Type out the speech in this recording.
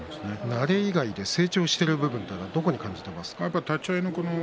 慣れ以外で成長している部分はどこに感じますか？